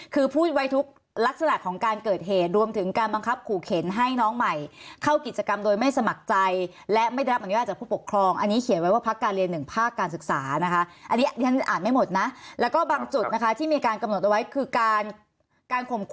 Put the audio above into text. คือพูดไว้ทุกข์ลักษณะของการเกิดเหตุรวมถึงการบังคับฝูกเเข็นให้น้องใหม่เข้ากิจกรรมโดยไม่สมัครใจและไม่ได้รับอนุญาตจากผู้ปกครอง